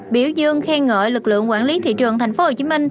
biểu dương khen ngợi lực lượng quản lý thị trường tp hcm